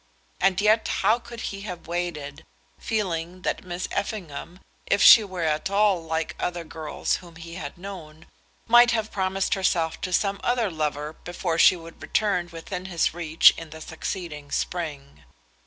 And yet how could he have waited, feeling that Miss Effingham, if she were at all like other girls whom he had known, might have promised herself to some other lover before she would return within his reach in the succeeding spring?